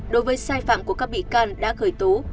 đối với sai phạm của các bị can đã khởi tố